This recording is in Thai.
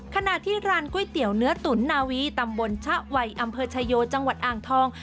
ขณะที่ร้านก๋วยเตี๋ยวเนื้อตุ๋นนาวีตำบลชะวัยอำเภอชายโยจังหวัดอ่างทอง